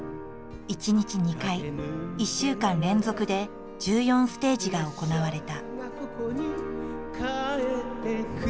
１日２回１週間連続で１４ステージが行われた。